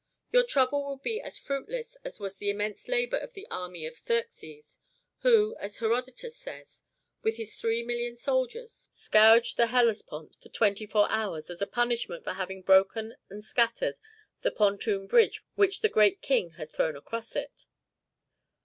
Your trouble will be as fruitless as was the immense labor of the army of Xerxes; who, as Herodotus says, with his three million soldiers, scourged the Hellespont for twenty four hours, as a punishment for having broken and scattered the pontoon bridge which the great king had thrown across it.